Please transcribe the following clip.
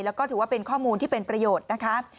แล้วก็ถือว่าเป็นข้อมูลที่เป็นประโยชน์นะคะ